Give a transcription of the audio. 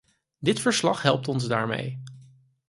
Dit verslag helpt ons daarmee.